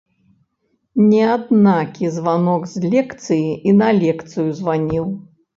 Не аднакі званок з лекцыі і на лекцыю званіў.